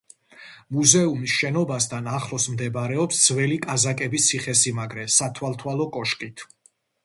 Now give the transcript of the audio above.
მუზეუმის შენობასთან ახლოს მდებარეობს ძველი კაზაკების ციხესიმაგრე სათვალთვალო კოშკით.